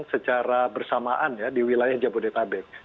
secara bersamaan ya di wilayah jabodetabek